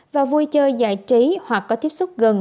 và vui chơi giải trí hoặc có tiếp xúc gần